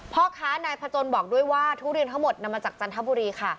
พ่อค้านายพจนบอกด้วยว่าทุเรียนทั้งหมดนำมาจากจันทบุรีค่ะ